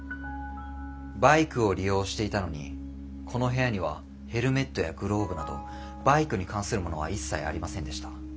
バイクを利用していたのにこの部屋にはヘルメットやグローブなどバイクに関するものは一切ありませんでした。